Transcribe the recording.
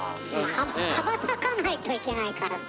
羽ばたかないといけないからさ。